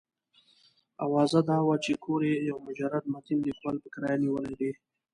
اوازه دا وه چې کور یو مجرد متین لیکوال په کرایه نیولی دی.